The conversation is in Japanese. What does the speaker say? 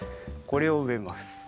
これをうえます。